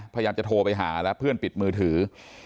พยายามจะโทรไปหาแล้วเพื่อนปิดมือถือ